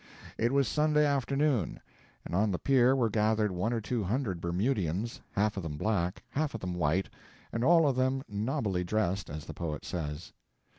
It was Sunday afternoon, and on the pier were gathered one or two hundred Bermudians, half of them black, half of them white, and all of them nobbily dressed, as the poet says.